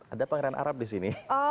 ada pangeran arab disini